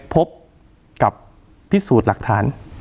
พบกับพิสูจน์หลักฐาน